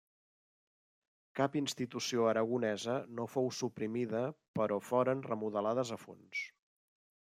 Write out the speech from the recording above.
Cap institució aragonesa no fou suprimida però foren remodelades a fons.